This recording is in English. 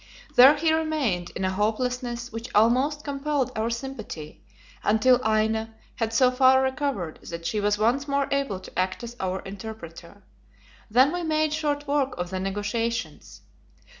There he remained in a hopelessness which almost compelled our sympathy, until Aina had so far recovered that she was once more able to act as our interpreter. Then we made short work of the negotiations.